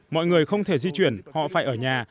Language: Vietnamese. mọi người không thể di chuyển họ phải ở nhà